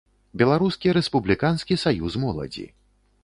Беларускі рэспубліканскі саюз моладзі.